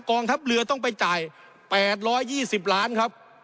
กองทัพเรือต้องไปจ่าย๘๒๐ล้านครับ